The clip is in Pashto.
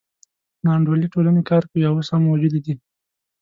ناانډولې ټولنې کار کوي او اوس هم موجودې دي.